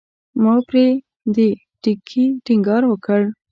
ما پر دې ټکي ټینګار وکړ.